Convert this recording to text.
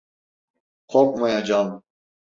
Korkmayacağım.